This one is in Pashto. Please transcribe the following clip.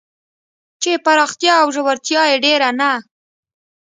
چې پراختیا او ژورتیا یې ډېر نه